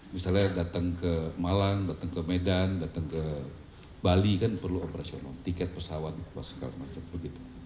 misalnya datang ke malang datang ke medan datang ke bali kan perlu operasional tiket pesawat segala macam begitu